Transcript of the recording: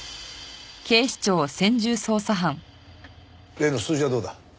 例の数字はどうだ？